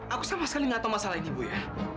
aku sama sekali nggak tahu masalah ini bu ya